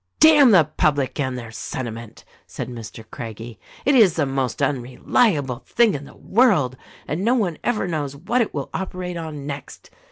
"Damn the public and their sentiment!" said Mr. Crag gie, "It is the most unreliable thing in the world, and no one ever knows what it will operate on next.